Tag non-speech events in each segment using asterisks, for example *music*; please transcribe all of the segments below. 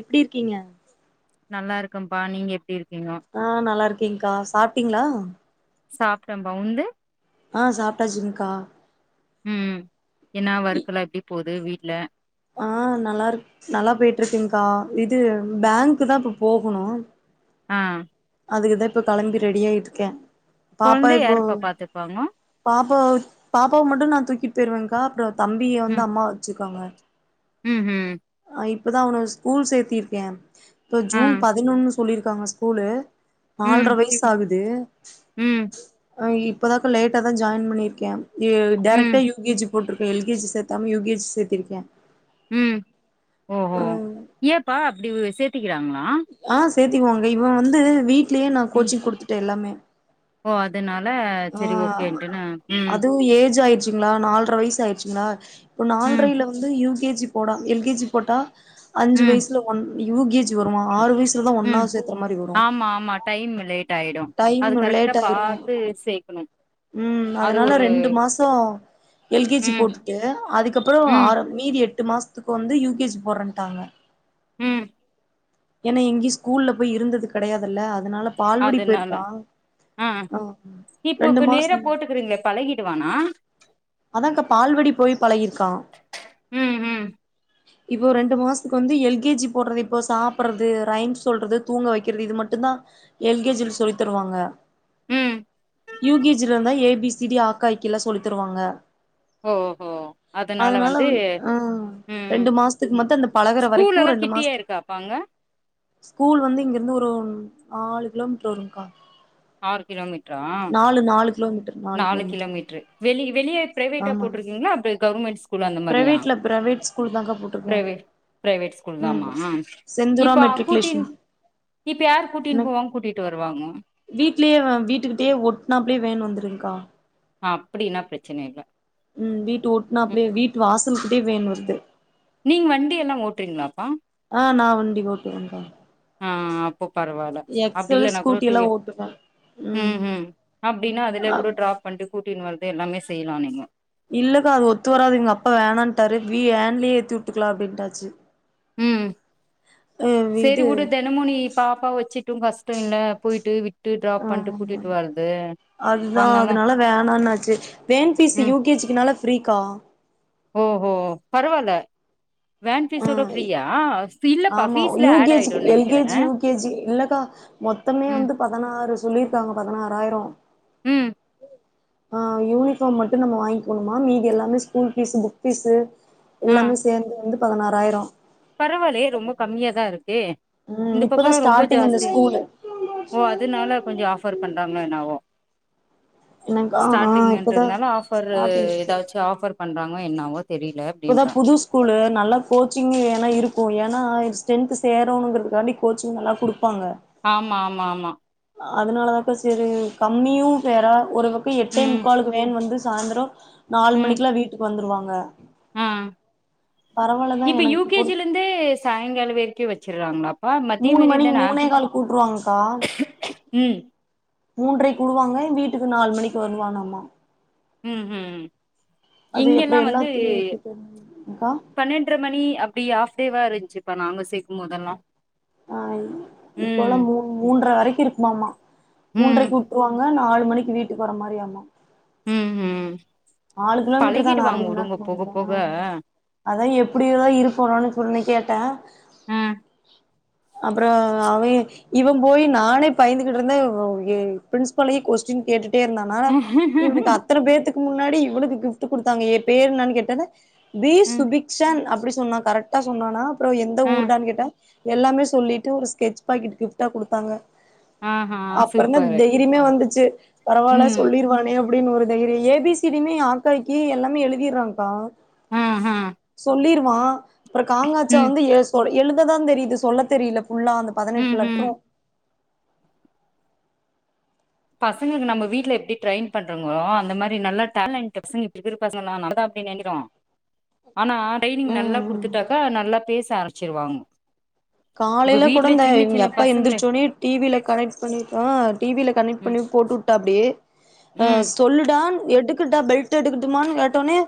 எப்டி இருக்கீங்க நல்லாருக்கம்ப்பா நீங்க எப்டி இருக்கீங்கோ அ நல்லா இருக்கேங்க்கா சாப்ட்டீங்ளா சாப்டம்பா உன்து ஆ சாப்ட்டாச்சுங்க்கா ம் என்னா வொர்க்லா எப்டி போது வீட்ல அ நல்லார் நல்லா போய்ட்டுருக்குங்க்கா இது பேங்க்கு தா இப்ப போகணு ஆ அதுக்குதா இப்ப கெளம்பி ரெடியாயிட்ருக்கே கொழந்தை யார்ப்பா பாத்துப்பாங்க பாப்பாவ பாப்பாவ மட்டு நா தூக்கிட்டு போயிருவேங்க்கா அப்பற தம்பிய வந்து ம் அம்மா வச்சுக்குவாங்க ம் ம் ஆ இப்பதா அவன ஸ்கூல் சேத்திருக்கே இப்ப ஆ ஜூன் பதினொன்னு சொல்லியிருக்காங்க ஸ்கூலு ம் நாலர வயசு ஆகுது ம் இப்போதாக்க லேட்டா தா ஜாயின் பண்ணியிருக்கே யு ம் டெரக்டாக யு கே ஜி போட்டுகே எல் கே ஜி சேத்தாம யு கே ஜி சேத்திருக்கே ம் ஓஹோ ஏன்ப்பா அப்படி ஒரு சேத்திக்கிறாங்களா ஆ சேத்தக்குவோங்க இவ வந்து வீட்லயே நா ம் கோச்சிங் குடுத்துட்டே எல்லாமே ஓ அதனால சரி ஓகேன்ட்டுன்ன அ ம் இப்போ ஏஜ் ஆயிருச்சுங்களா நாலரை வயசு ஆயிருச்சுங்களா இப்ப ம் நால்ரைல வந்து யூ கே ஜி போடா எல் கே ஜி போட்டா அஞ்சு ம் வயசில ஒன் யூ கே ஜி வருமா ஆறு வயசிலதா ம் ஒன்னாவது சேத்துற மாரி வரு ஆமா ஆமா டைம் லேட் ஆயிடு டைம் அது கரெக்டா லேட் ஆயிரு பாத்து சேக்கணு ம் அது அதனால் ஒரு ரெண்டு மாசோ எல் கே ஜி ம் போட்டுட்டு அதுக்கப்ற ம் ஆரம் மீதி எட்டு மாசத்துக்கு வந்து யூ கே ஜி போடுறேன்ட்டாங்க ம் ஏன்னா எங்கேயு ஸ்கூல்ல போய் இருந்தது கெடையாதுல்ல அதுனால பால்வடி அதனால போயிருக்கா ஆ இப்போ ரெண்டு இப்ப மாசோ நேர போட்டுக்குறீங்களே பழகிடுவானா அதாக்கா பால்வடி போயி பழகிருக்கா ம் ம் இப்போ ரெண்டு மாதத்துக்கு வந்து எல் கே ஜி போடுறது இப்போது சாப்புட்றது ரைம் சொல்றது தூங்க வைக்கிறது இது மட்டுந்தா எல் கே ஜியில சொல்லித்தருவாங்க ம் யு கே ஜில இருந்தா ஏ பி சி டி ஆக்க ஈக்கியல்லா சொல்லித்தருவாங்க ஓஹோ அதனால வந்து ம் ரெண்டு மாசத்துக்கு மட்டு அந்த பழகுற வரைக்கு ஸ்கூல்லல்லா ரெண்டு கிட்டியே மாசத்துக்கு இருக்கா பாங்க ஸ்கூல் வந்து இங்கிருந்து ஒரு நாலு கிலோமீட்டர் வருங்கா ஆறு கிலோ மீட்ரா நாலு நாலு கிலோமீட்டர் நாலு கிலோமீட்ரு வெளிய வெளிய ப்ரைவேட்டா போட்டிருக்கீங்களா அவரு கவர்மெண்ட்ஸ் ப்ரைவேட்ல ப்ரைவேட் ஸ்கூல் தாக்கா போட்டிருக்கோ ப்ரைவேட் ஸ்கூல் தாமா செந்தூரா இப்ப அம்புட்டின் மெட்ரிகுலேஷன் இப்ப யாரு கூட்டின்னு எனக்கு போவாங்க கூட்டிட்டு வருவாங்க வீட்லயே வீட்டுக்கிட்டயே ஒட்னாப்பலயே வேன் வந்துருங்க்கா அப்டின்னா பிரச்சனை இல்ல ம் வீட்டு ம் ஓட்னாப்லே வீட்டு வாசலுகிட்டே வேன் வருது நீங்க வண்டி எல்லா ஓட்டுவிங்ளாப்பா ஆ நா வண்டி ஓட்டுவே ஆ அப்போ பரவால்ல அப்படி எக்ஸலு இல்லனா கூட ஸ்கூட்டி வி எல்லாம் ஓட்டுவேன் ம் ம் அப்படின்னா அதுல கூட ட்ராப் பண்ணிட்டு கூட்டின்னு வந்து எல்லாமே செய்லாமே இல்லக்கா அது ஒத்து வராதுங்க அப்பா வேணான்ட்டாரு வீ வேன்லயே ஏத்துட்டுக்கலா அப்படின்டாச்சு சேரி இது வுடு தினமு நீ பாப்பாவ வச்சிட்டு உன் ஹஸ்பண்ட்ட போயிட்டு வி ட்டு ட்ராப் பண்ட்டு கூட்டிட்டு ஆ வரது அதுதா அதனால வேணான்னாச்சு van fees U K G க்குனால ஃப்ரீக்கா ஓ ஓ பரவால்ல வேன் ஆ ஃபீஸோட ஃப்ரீயா இல்லப்பா ஆமா ஃபீஸ்ல யூ ஆட் கே ஜி க்கு ஆயிடும்னு எல் கே நெனைக்கிறே ஜி யூ கே ஜி இல்லக்கா மொத்தமே ம் வந்து பதினாறு சொல்லியிருக்காங்க பதினாறாயிரம் ம் ஆ யூனிஃபார்ம் மட்டு நம்ம வாங்கிக்கணுமா மீதி எல்லாமே ஸ்கூல் ஃபீஸ்சு புக் ஃபீஸ்சு எல்லாமே சேந்து வந்து பதினாறாயிரோ பரவாயல்லயே ரொம்ப கம்மியாதாயிருக்கே ம் இந்த இப்பதா பக்கல்லா ரொம்ப ஸ்டார்டிங் இந்த ஜாஸ்தி ஸ்கூலு ஓ அதனால கொஞ்சோ ஆஃபர் பண்றாங்களோ என்னவோ எனக்கா ஆ இப்பதா ஸ்டார்டிங்ன்றனால ஆஃப்பரு ஸ்டார்டிங் ஸ்கூல் ஏதாச்சு ஆஃபர் பண்றாங்களோ என்னாவோ தெரில இப்பதா அப்டின்றே புது ஸ் கூலு நல்லா கோச்சிங்கு ஏன்னா இருக்கும் ஏன்னா ஸ்ட்ரென்த்து சேருங்கிறதுக்காண்டி கோச்சிங் நல்லா குடுப்பாங்க ஆமா ஆமா ஆமா அதனாலதாக்கா சேரி கம்மியு வேற ஒரு பக்கம் எட்டே ம் முக்காலுளுக்கு வேன் வந்து சாய்ந்தரரோ நாலு ம் மணிக்கெல்லா வீட்டுக்கு வந்துருவாங்க ஆ பரவால்லதா எனக்கு கொடு இருந்து சாயங்காலோ வரைக்கு வச்சிட்றாங்களா மூணு மணி மூணே காலுக்கு உட்டுருவாங்க்கா ம் மூன்ரைக்கு வுடுவாங்க வீட்டுக்கு நாலு மணிக்கு வருவானாமா ம் ம் அது எப்டி இங்கெல்லா எல்லாத்தையு ஏத்திட்டு வந்து அக்கா பன்னெண்ட்ரை மணி அப்டி ஆஃப் டேவா இருன்ச்சுப்பா நாங்க சேக்கும் போதெல்லா ஆ ம் இப்போல்லா மூ மூன்ரை வரைக்கு இருக்குமாமா ம் மூன்ரைக்கு உட் ருவாங்க நாலு மணிக்கு வீட்டுக்கு வர மாறியாமா ம் ம் நாலு கிலோமீட்டர் தானா அரை பழகிடுவாங்க மண் உடுங்க நேரத்துக்கு போக போக உங்களுக்கெல்லா அத்தா எப்படியோதா இருப்பனோன்னு சொல்லி கேட்டே ம் அப்றோ அவ ஏ இவன் போயி நானே பயந்துகிட்டுயிருந்த பிரின்ஸ்பாலயே கொஸ்டின் கேட்டுட்டேயிருந்தா னா இவனுக்கு அத்தன பேத்துக்கு முன்னாடி இவனுக்கு கிஃப்ட் குடுத்தாங்க என் பேரு என்னான்னு கேட்டன்னா பி ம் சுபிக்க்ஷன் அப்டி சொன்னா கரெக் டா சொன்னானா அப்றோ எந்த ஆ ஊருடான்னு கேட்டா எல்லாமே சொல்லிட்டு ஒரு ஸ்கெட்ச் பாக்கேட் கிஃப்ட்டா குடுத்தாங்க ஆஹா அப்றோதா சூப்பரு தைரியமே வந்துச்சு பரவால்ல ம் சொல்லிருவானே அப் ப்டின்னு ஒரு தைரியோ ஏ பி சி டியுமே அ கா இ கி யே எல்லாமே எழுதிட்றா க்கா அ அ சொல்லிருவா அப்புறோ காங்காட்சா ம் வந்து எ சோ எழுததா தெரியுது சொல்ல தெரில ஃபுல்லா அந்த ம் பதினெட்டு லட்று ம் பசங்களுக்கு நம்ப வீட்ல எப்டி ட்ரேயின் பண்றங்களோ அந்த மாறி நல்லா டேலண்ட் பசங்க இப்ப இருக்கற பசங்க எல்லா நம்மதா அப்டி நெனைக்கறோ ஆனா ட்ரைனிங் ம் நல்லா ம் குடுத்துட்டாக்க நல்லா பேச ஆரம்பிச்சிருவாங்க இப்ப காலையில கூட வீட்ல இந்த சின்ன சின்ன எப்ப பசங்கள எந்திரிச்சோனே டி வி ல கனெக்ட் பண்ணியிருக்கா டி வி ல கனெக்ட் ம் பண்ணி போட்டு உட்டாப்டி அ ம் தொல்லுடா எடுக்கட்டா பெல்ட் எடுக்கட்டுமான்னு கேட்டோனே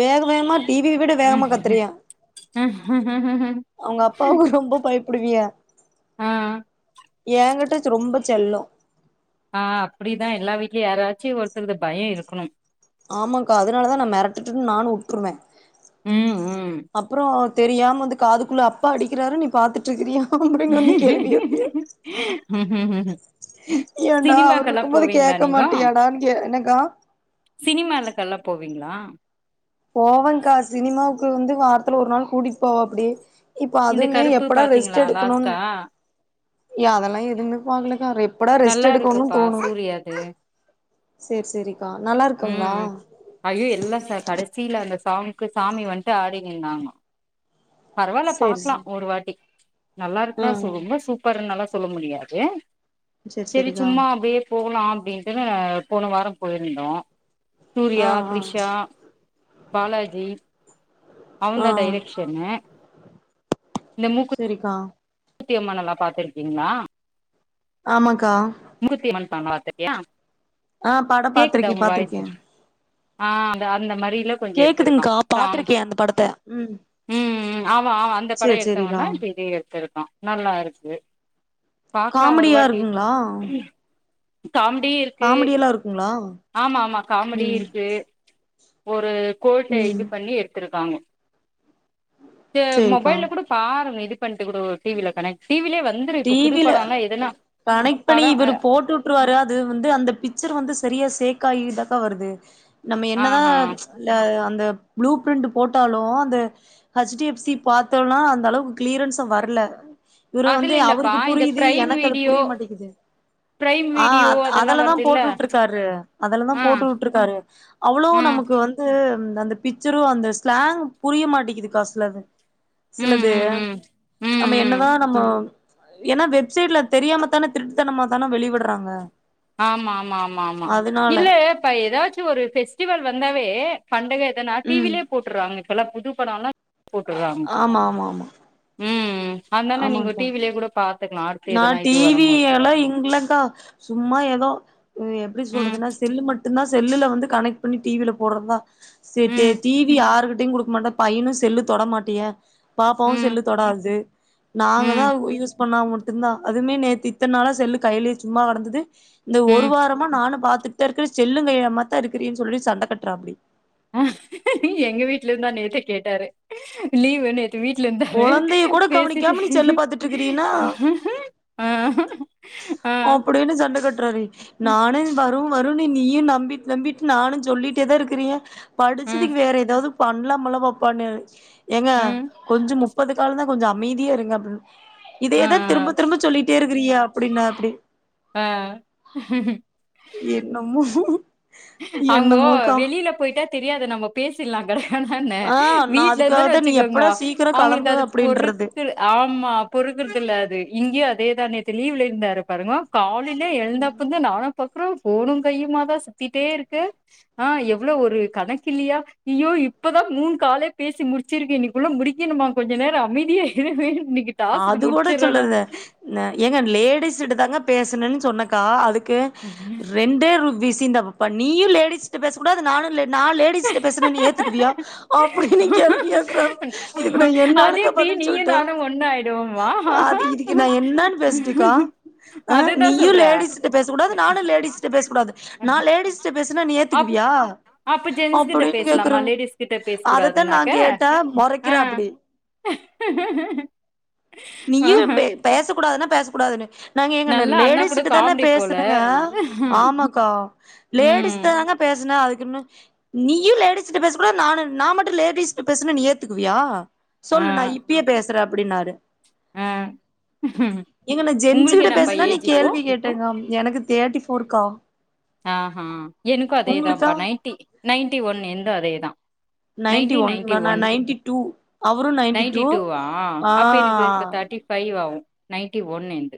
வேக வேகமா டி வி ய விட வேகமா ம் கத்துறியா அவங்க அப்பாவு ரொம்ப பயப்படுவியா ஆ ஏ கிட்ட ரொம்ப செல்லோ ஆ அப்டிதா எல்லா வீட்லயு யாராச்சு ஒருத்தருது பய இருக்கணு ஆமாக்கா அதனால தா நா மிரட்டுன்னு நானு வுட்டுருவே உம் உம் அப்றோ தெரியாம வந்து காதுக்குள்ள அப்பா அடிக்கிறாரு இப் பாத்துட்டு இருக்கிறியா அப்டின் வந்து கேள்வி கேப்பியா ஏன்டா சினிமாக்கெல்லா அவர்ருக்கும்போது போவீங்களா கேட்க மாட்டியாடான்னு என்னக்கா சினிமால்கெல்லா போவீங்ளா போவேகா சினிமாவுக்கு வந்து வாரத்துல ஒரு நாள் கூட்டிட்டு போவாப்டி இப்போ இந்த அதுவுமே கருப்பு எப்படா ரெஸ்ட் பாத்தீங்களா எடுக்கணு லாஸ்ட்டா அதெல்லாம் எதுவுமே பாக்கலக்கா ப்படா ரெஸ்ட் நல்லா எடுக்கோணு இருக்குப்பா தோணு *unintelligible* சேர் சேரிக்கா நல்லா இருக்குங்ளா ம் ஐயோ எல்லா ச கடசில அந்த சாமிக்கு சாமி வந்துட்டு ஆடினு இந்தாங்க பரவால்ல சேரி பாக்கலா சேரி ஒரு வாட்டி நல்லா ஆ இருக்குன்னா சொ ரொம்ப சூப்பர்னாலா சொல்ல முடியாது சேரி சும்மா அப்டியே போகலா அப்டின்ட்டு போன வார போயிருந்தோ ஆ சூரியா ஆ த்ரிஷா பாலாஜி ஆ அவந்தி டைரெக் ஷன்னு இந்த மூக்குத் சேரிகா தி அம்மன்ல்லா பாத்துருக்கீங்ளா ஆமாக்கா மூக்குத்தி அம்மன் படம் பாத்ட்டியா ஆ படோ கேக்குதா பாத்திருக்கே உங்க வாய்சு பாத்திருக்கே ஆஹ அந் அந்த மாரில எடுத்திருக்கா கேக்குதுங்கா பாத்ருக்கே அந்த படத்த உம் உம் ஆமா ஆ அந்த பட சேரி சேரிக்கா எடுத்தவந்தா இப்ப இது எத்துருக்கா நல்லா இருக்கு பாக்கலா ஒரு காமெடியா வாட்டி இருக்குங்களா காம்டி க்கு காமெடியெல்லா இருக்குங்களா ஆமா ஆமா காமெடி ம் இருக்கு ஒரு கோட்ட ம் இது பண்ணி எடுத்துர்க்காங்க இது சேரிக்கா மொபைல்ல கூட பாருங்க இது பண்டு கூட டிவிலே வந்துரு இப்போ புதுப்படலா எதுனா கணெக்ட் பண்ணி படம் அ இவரு போட்டுவுட் ருவாரு அது வந்து அந்த பிச்சர் வந்து சரியா சேக் ஆயிதா கா வருது நம்ம என்னதா ஆஹா இல்ல அந்த ப்ளூ பிரிண்ட் போட்டாலு அந்த ஹச்டி எஃப்சி பாத்தோனா அந்த அளவுக்கு கிளிரன்ஸா வர்ல இவரு வந்து அதுல இல்லப்பா அவருக்கு இந்த புரியுது பிரைம் எனக்கு அது வீடியோ புரிய மாட்டுகுது பிரைம் ஆ வீடியோ அத் அதெல்லா அதலதா வருதுல்ல போட்டுட்டுருக்காரு அதுலதா ஆ போட்டுட்டுருக்காரு அவ்ளோ ம் நமக்கு வந் து அந்த பிக்சரு அந்த ஸ்லாங் புரிய மாட்டிகுது கா சிலது ம் சிலது ம் ம் ம் நம்ம ம் என்னதா நம்ம ஏன்னா வெப்சைட்ல தெரியாமத் தான திருட்டுத்தனமா தான வெளி விட்றாங்க ஆமா ஆமா ஆமா ஆமா இல்ல இப்ப எதாச்சு ஒரு பெஸ்டிவல் வந்தாவே பண்டக எதன்னா ம் டிவிலே போட்டுறாங்க இப்பல்லா புது படல்லா போட்டுறாங்க ஆமா ஆமா ஆமா உம் அதனாலா நீங்க ஆமாங்க்கா டிவிலேட கூட பாத்துக்கலா ஆட் நா டிவி எல்லா இங்ளக்கா சும்மா ஏதோ எப்டி ம் சொல்றதுன்னா செல்லு மட்டுந்தா செல்லுல வந்து கனெக்ட் பண்ணி டிவில போடுறதா சேர் சேரி ம் டிவி யாருகிட்டயுங் குடுக்க மாட்டே பையனு செல்லு தொட மாட்டிய பாப்பாவு ம் செல்லு தொடாது நாங்கதா ம் உ யூஸ் பண்ணாம உட் இருந்தா அதுமே நேத்து இத்தன் நாள செல்லு கையிலே சும்மா கெடந்தது இந்த ஒரு ம் வாரமா நானு பாத்துட் த இருக்கு செல்லுங் கையுமாத்தா இருக்கிறியேன் சொல்லி சண்ட கட்டுறாப்டி எங்க வீட்லந்துதா நேத்தே கேட்டாரு லீவுன்னு வீட்ல இருந்தாரு கொழந்தைய கூட பேசிட்டு கவனிக்காம நீ செல்லு பாத்துட்டு இருக்கிறீன்னா ஆ ஆ, அப்டினு சண்ட கட்றாருடி ம், நானு வரு வருனு நீயு நம்பிட் நம்பிட் நானு சொல்லிட்டே தா இருக்கிறே ம், படிச்சதுக்கு வேற ஏதாவ்து பண்லாமுல்ல பாப்பானாரு ஏங்க ம், கொஞ்சோ முப்பது கால்தா கொஞ்சோ அமைதியா இருங்க அப்டின் ஆ, இதயேதா திரும்ப திரும்ப சொல்லிட்டே இருக்றியே அப்டின்னாப்டி அ என்னமோ அவுங்கோ என்னமோக்கா வெளில போயிட்டா தெரியாது நம்ம பேசிடலா கட அதான ஆ நா வீட்ல அதுக்காக இருந்தோன் தா நீ வச்சுக்கோங்க எப்படா சீக்கிரோ அவங்களுக்கு கெளம்பு அது அப்டின்றது பொறுக்குல ஆமா பொறுக்குறது இல்ல அது இங்கேயு அதேதா நேத்து லீவுல இருந்தாரு பாருங்கோ காலையிலே எழுந்தப்ப இருந்து நானு பாக்குறே போனு கையுமாதா சுத்திட்டே இருக்க ஆ எவ்ளோ ஒரு கணக்கு இல்லையா யோ இப்பதா மூணு காலே பேசி முடிச் சிருக்கே இன்னைக்குள்ள முடிக்கணுமா கொஞ்ச நேரொ அமைதியா இருவே இன்னைக் அது கூட சொல்லல ந ஏங்க லேடிஸ் கிட்ட தாங்க பேசுனேன் சொன்னக்கா அதுக்கு ரெண்டே ரூபீஸ் இந்தபா நீயு லேடிஸ்ட்ட பேசக்கூடாது நானு லே நா லேடிஸ்ட்ட பேசுனா ஏத்துக்குவியா அப்டின்னு கேள்வி கேக்குறாரு இதுக்கு நா அது என்னனுக்கா எப்டி பதில் நீயு சொல்ட்டு நானு ஒண்ணு ஆயிடுவோமா அது இதுக்கு நா என்னன்னு பேசட்டுக்கா அ அதுதா நீயு சொல்றே லேடிஸ் ட்ட பேசக்கூடாது நானு லேடிஸ்ட்ட பேச கூடாது நா லேடிஸ்ட்ட பேசுனா நீ அப் ஏத்துக்குவியா அப்ப ஜென்ஸ் கிட்ட அப்டின்னு பேசலாமா கேக்குறாங்க லேடிஸ் கிட்ட பேச அதத்தா நா கூடாதுனாக்க கேட்டே ஆ மொறைக்கிறா அப்டி நீயு ஆஹ பே பேச கூடாதுன்னா பேச கூடாதுன்னு நாங்க ஏங்க நா நல்லா அண்ணா கூட லேடிஸ்ட்ட தான காமெடி போல பேசணுங்க ஆமா க்கா லேடிஸ்ட்ட ம் தாங்க பேசுனே அதுக்குன்னு நீயு லேடிஸிட்ட பேச கூடா நானு நா மட்டு லேடிஸிட்ட பேசுனா நீ ஏத்துக்குவியா ஆ சொல்லு நா இப்பயே பேசுறே அப்டின்னாரு ஆ ஏங்க நா உங்களுக்கு ஜென்ஸ்கிட்ட என்னப்பா பேசுனா நீ ஏஜ் இப்போ கேள்வி கேட் டுங்கம் எனக்கு தேர்டி ஃபோர்க்கா அ ஹா எனக்கு உங்களுக்கா அதேதாப்பா நைன்டி நைன்டி ஒன்னு என்து அதேதா நைன்டின் நைன்டி ஒன்னுங்களா நா ஒன் நைன்டி டூ அவரு நைன்டி டூ டூவா ஆ அப்ப எனக்கு இப்ப தேர்ட்டி ஃபைவ் ஆவு நைன்டி ஒன் என்து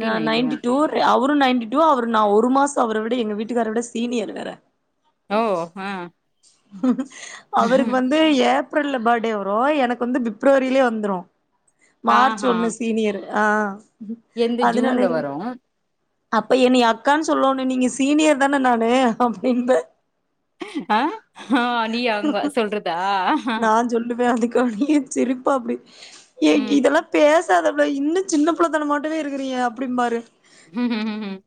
நா நைன்டி ஒன் டூ அவரு நைன்டி டூ அவர் நா ஒரு மாசோ அவர விட எங்க வீட்டுக்கார விட சீனியர் வேற ஓ ஹ அவருக் வந் வந்து ஏப்ரல்ல பர்டே வரு எனக்கு வந்து பிப்ரவரிலே வந்துரு மார்ச் ஆஹா ஒன்னு சீனியரு ஆ என்து ஜூன்ல அதனாலங் வரு அப்ப என்னைய அக்கான் சொல்லோனோ நீங்க சீனியர் தான நானு அப்டின்னே அ ஆ நீ அங்க சொல்றதா நா சொல்லுவே அதுக்க அப்டியே சிரிப்பா அப்டி ஏ இங் ம் இதெல்லா பேசாதப்புள்ள இன்னு சின்ன புள்ளத்தனமாட்டமே இருக்குறீயே அப்டிம்பாரு ம்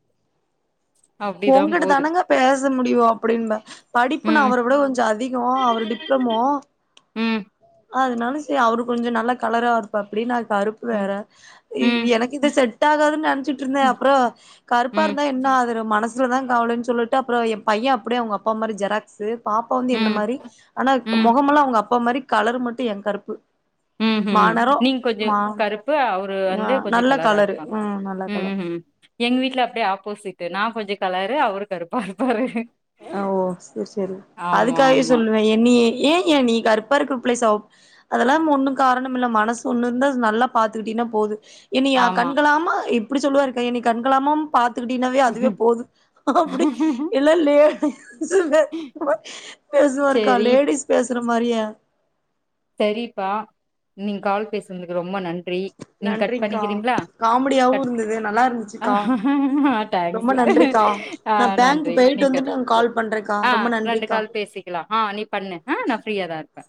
அப்டிதா ஒங்கிட்ட போது தானங்க பேச முடியு அப்டின்ப படிப்புல ம் அவுர உட கொஞ்ச அதிகோ அவர் டிப்ளமோ ம் அதனால சரி அவரு கொஞ்ச நல்ல கலரா இருப்பாப்படி நா கருப்பு வேற ம் இ ம் எனக்கு இது செட் ஆகாதுன்னு நெனச்சிட்டு இருந்தே ம் அப்புறோ கருப்பா ம் இருந்தா என்ன அ மனசு சொன்ன கவல சொல்லிட்டு அப்புறோ ஏ பைய அப்டியே அவுங்க அப்பா மாரி ஜெராக்ஸு பாப்பா வந்து என்ன ம் மாரி ஆனா ம் மொகமல்லா அவுங்க அப்பா மாரி கலரு மட்டு எ கருப்பு ம் ஹ்ம் மாநெறோ நீங்க கொஞ்சோ மா கருப்பு அவரு ஆ வந்து கொஞ்சோ நல்ல கலரா கலரு இருக்கா ம் நல்ல ம் கலரு ஹ்ம் எங் வீட்டுல அப்டியே ஆப்போசிட்டு நா கொஞ்ச கலரு அவரு கருப்பா இருப்பாரு ஓ செரி செரி ஆமா அதுக்காகவே ஆமா சொல்லுவே என் நீ ஏயா நீ கருப்பாக்கற புள்ளய செவப் அதெல்லா ஒண்ணு காரணம் இல்ல மனசு ஒண்ணு இருந்தா நல்லா பாத்துக்கிட்டீன்னா போது என்னிய ஆமா கண்கலாம இப்டி சொல்லுவாருக்கா என்னி கண்கலாம பாத்துக் கிட்டினாவே அதுவே போது அப்டி எல்லா லே சு பேசுவாருக்கா சேரி லேடிஸ் பேசுற மாரியே தெரிப்பா நீங்க கால் பேசுனதுக்கு ரொம்ப நன்றி நீங்க கட் நன்றிங்க்கா பண்ணிக்கிறீங்களா காமெடியாவு கட் இருந்தது நல்லா அ இருந்துச்சுக்கா ரொம்ப தேங்க்ஸு நன்றிக்கா ஆ நா பேங்க் நன்றி போயிட்டு நீங்க கட் வந்துட்டு கால் பண்றேக்கா ஆ ரொம்ப ரெண்டு நன்றிக்கா கால் பேசிக்க கலா ஆ நீ பண்ணு நா ஃப்ரியாதா இருப்பே